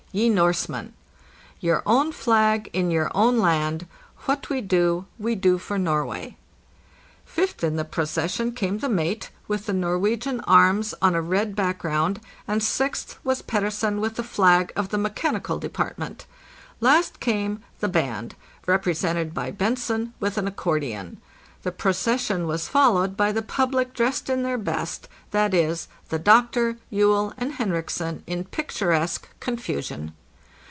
], ye Norseman! Your own flag in your own land. What we do we do for Norway." Fifth in the proces sion came the mate, with the Norwegian arms on a red _ back sround, and sixth was Pettersen with the flag of the Mechanical Department. Last came the " Band," represented by Bentzen with an accordion. The procession was followed by the public dressed in their best—viz., the doctor, Juell, and Henriksen in picturesque confusion.